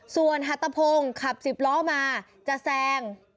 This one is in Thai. ส่วนหัตตะพงศ์ขับ๑๐ล้อมาจะแซง